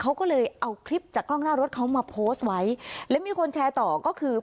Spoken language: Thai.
เขาก็เลยเอาคลิปจากกล้องหน้ารถเขามาโพสต์ไว้แล้วมีคนแชร์ต่อก็คือ